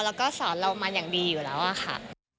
แล้วก็สอนเรามาอย่างดีอยู่แล้วอะค่ะ